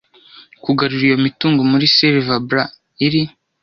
Kugarura iyo mitungo muri silver blur iri